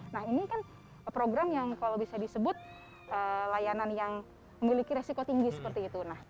nah ini kan program yang kalau bisa disebut layanan yang memiliki resiko tinggi seperti itu